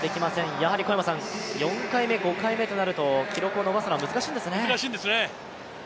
やはり４回目、５回目となると記録を伸ばすのは難しいんですね。